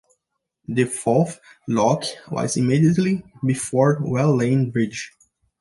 The fourth lock was immediately before Well Lane Bridge.